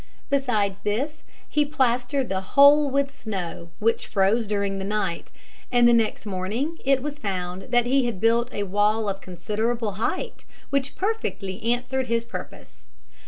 Besides this, he plastered the whole with snow, which froze during the night; and next morning it was found that he had built a wall of considerable height, which perfectly answered his purpose.